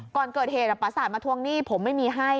ก่อนเกิดเหตุประสาทมาทวงหนี้ผมไม่มีให้